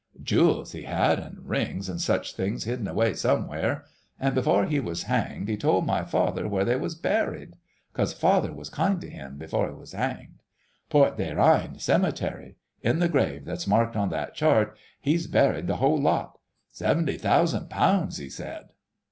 Jewels he had, an' rings an' such things hidden away somewhere; an' before he was hanged he told my father where they was buried, 'cos father was kind to him before he was hanged.... Port des Reines cemetery ... in the grave what's marked on that chart, he'd buried the whole lot. Seventy thousand pounds, he said...."